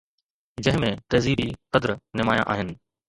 جنهن ۾ تهذيبي قدر نمايان آهن.